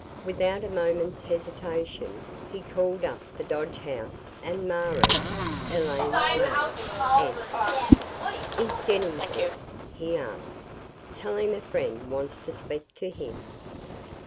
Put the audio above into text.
Without a moment's hesitation he called up the Dodge house and Marie, Elaine's maid, answered. "Is Jennings there?" he asked. "Tell him a friend wants to speak to him."